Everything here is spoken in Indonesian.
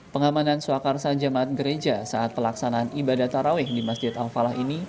pengamanan swakarsa jemaat gereja saat pelaksanaan ibadah taraweh di masjid al falah ini